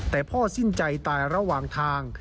แต่พ่อสิ้นใจตายระหว่างทาง